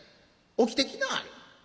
起きてきなはれ』。